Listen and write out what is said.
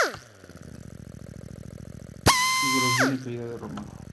Para solucionar esto, causó la corrupción y caída de Roma.